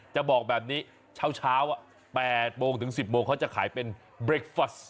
จะบอกแบบนี้เช้า๘โมงถึง๑๐โมงเขาจะขายเป็นเบรคฟัส